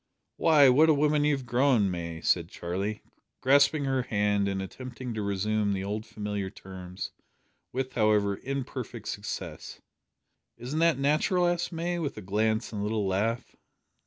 "Why, what a woman you have grown, May!" said Charlie, grasping her hand, and attempting to resume the old familiar terms with, however, imperfect success. "Isn't that natural?" asked May, with a glance and a little laugh.